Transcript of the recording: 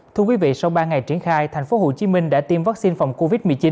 thưa quý vị sau ba ngày triển khai thành phố hồ chí minh đã tiêm vaccine phòng covid một mươi chín